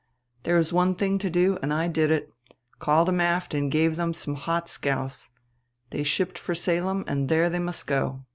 "There was one thing to do and I did it called them aft and gave them some hot scouse. They'd shipped for Salem and there they must go.